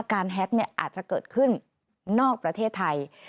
แฮ็กอาจจะเกิดขึ้นนอกประเทศไทย